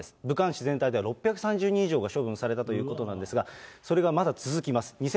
武漢市全体では６３０人以上が処分されたということなんですが、それがまだ続きます。